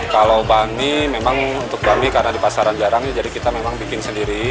kalau banh mi memang untuk banh mi karena di pasaran jarang jadi kita memang bikin sendiri